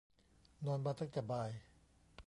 นอนมาตั้งแต่บ่าย